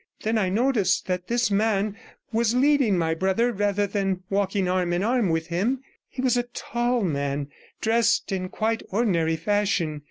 Then I noticed that this man was leading my brother rather than 39 walking arm in arm with him; he was a tall man, dressed in quite ordinary fashion.